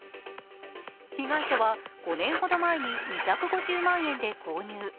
被害者は、５年ほど前に２５０万円で購入。